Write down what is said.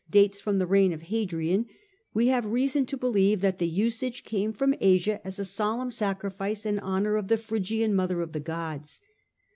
dates from the reign of Hadrian, we have reason to believe that the usage came from Asia as a solemn sacrifice in honour of the Phrygian Mother of the Gods.